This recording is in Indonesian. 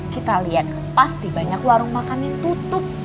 kita lihat pasti banyak warung makan yang tutup